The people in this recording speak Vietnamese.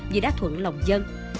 vì đã thuận lòng dân